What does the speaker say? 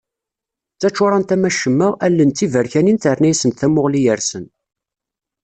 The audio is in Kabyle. D taččurant am wacemma, allen d tiberkanin terna-asent tamuɣli yersen.